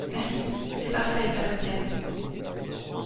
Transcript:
Merci, c’est parfait, ça fonctionne.